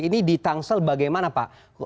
ini di tangsel bagaimana pak